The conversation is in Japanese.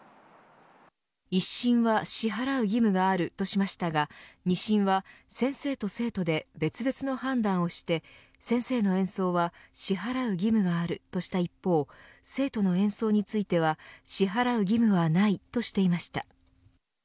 一審は支払う義務があるとしましたが二審は、先生と生徒で別々の判断をして先生の演奏は支払う義務があるとした一方生徒の演奏については支払う義務はないとしていました。